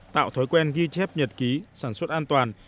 tạo thói quen ghi chép nhật ký sản xuất an toàn